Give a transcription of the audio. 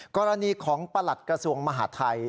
กรณีของประหลัดกระทรวงมหาทัย